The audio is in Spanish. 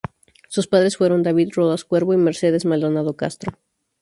Sus padres fueron David Rodas Cuervo y Mercedes Maldonado Castro.